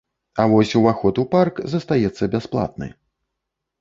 А вось уваход у парк застаецца бясплатны.